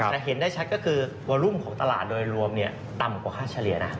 แต่เห็นได้ชัดก็คือวอลุ่มของตลาดโดยรวมต่ำกว่าค่าเฉลี่ยนะ